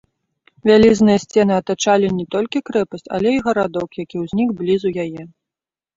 Вялізныя сцены атачалі не толькі крэпасць, але і гарадок, які ўзнік блізу яе.